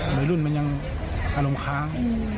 เหลือรุ่นมันยังอารมค์ค้าง